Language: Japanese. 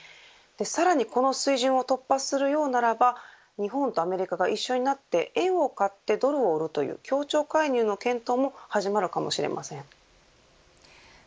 さらにこの水準を突破するようならば日本とアメリカが一緒になって円を買ってドルを売るという協調介入の検討も始まるかもしれません。